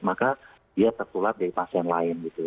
maka dia tertular dari pasien lain gitu